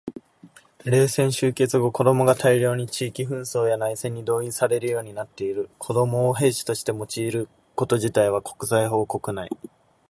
冷戦終結後、子どもが大量に地域紛争や内戦に動員されるようになっている。子どもを兵士として用いること自体は、国際法・国内法で禁じられているにもかかわらず、事態が改善しないのは、そこに子ども兵士となる側とそれを用いる側の双方に合理性が存在するからである。